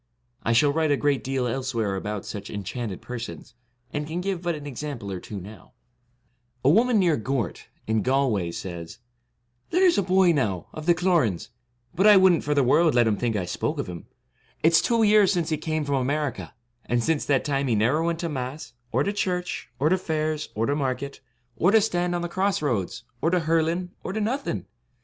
I shall write a great deal elsewhere about such enchanted persons, and can give but an exam ple or two now, A woman near Gort, in Galway, says: 'There is a boy, now, of the Cloran's; but I would n't for the world let them think I spoke of him; it's two years since he came from America, and since that time he never went to Mass, or to church, or to fairs, or to market, or to stand on the cross roads, or to hurling, or to nothing.